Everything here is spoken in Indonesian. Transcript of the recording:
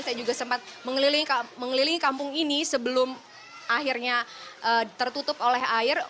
saya juga sempat mengelilingi kampung ini sebelum akhirnya tertutup oleh air